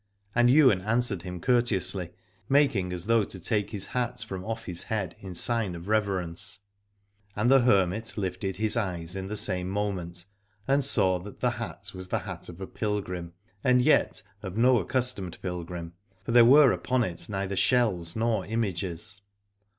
And Ywain answered him courteously, making as though to take his hat from off his head in sign of reverence : and the her mit lifted his eyes in the same moment and saw that the hat was the hat of a pilgrim, and yet of no accustomed pilgrim, for there were upon it neither shells nor images.